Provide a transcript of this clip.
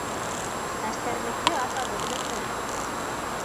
Хәстәрлекле атабыҙ беҙҙең.